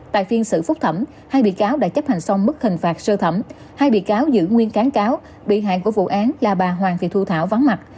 tại phiên xử phúc thẩm hai bị cáo đã chấp hành xong mức hình phạt sơ thẩm hai bị cáo giữ nguyên kháng cáo bị hạng của vụ án là bà hoàng thị thu thảo vắng mặt